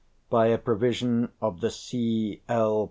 By a provision of the C. L.